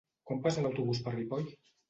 Quan passa l'autobús per Ripoll?